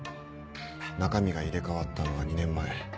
中身が入れ替わったのは２年前。